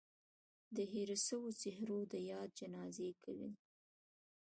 د هېرو سوو څهرو د ياد جنازې کوي